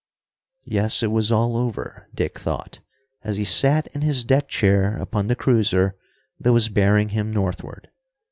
Yes, it was all over, Dick thought, as he sat in his deck chair upon the cruiser that was bearing him northward.